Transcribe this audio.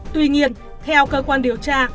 tuy nhiên theo cơ quan điều tra